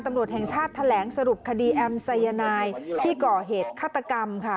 ตำรวจแห่งชาติแถลงสรุปคดีแอมสายนายที่ก่อเหตุฆาตกรรมค่ะ